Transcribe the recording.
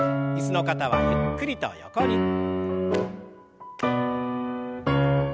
椅子の方はゆっくりと横に。